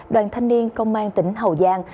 đoàn thanh niên công an tỉnh hậu giang